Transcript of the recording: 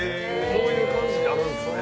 そういう感じになるんすね